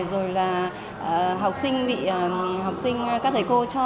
rồi là học sinh bị các thầy cô cho